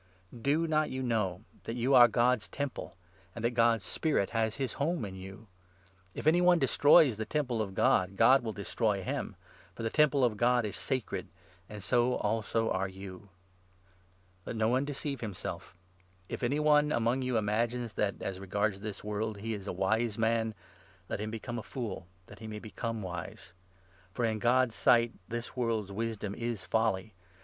Do not you know that you are God's Temple, and that God's 16 Spirit has his home in you ? If any one destroys the Temple 17 of God, God will destroy him ; for the Temple of God is sacred, and so also are you. Let no one deceive himself. If any one among you imagines 18 that, as regards this world, he is a wise man, let him become a ' fool,' that he may become wise. For in God's sight this 19 world's wisdom is folly.